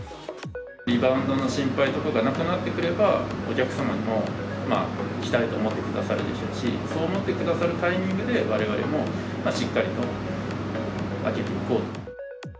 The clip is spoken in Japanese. リバウンドの心配とかがなくなってくれば、お客様も来たいと思ってくださるでしょうし、そう思ってくださるタイミングで、われわれもしっかりと開けていこうと。